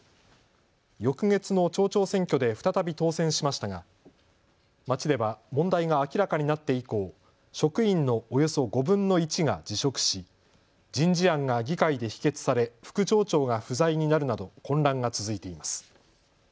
翌月の町長選挙で再び当選しましたが町では問題が明らかになって以降、職員のおよそ５分の１が辞職し人事案が議会で否決され副町長が不在になるなど混乱が続いています。